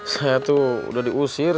saya tuh udah diusir